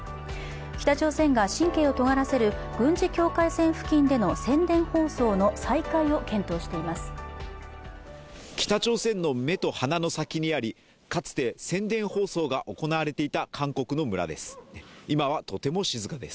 北朝鮮が神経をとがらせる軍事境界線付近での宣伝放送の再開を検討しています。